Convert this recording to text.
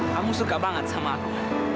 kamu suka banget sama aku